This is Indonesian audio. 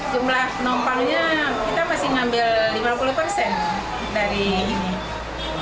jumlah penumpangnya kita masih ngambil lima puluh persen dari ini